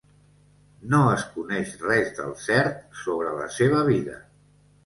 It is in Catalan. No es coneix res del cert sobre la seva vida.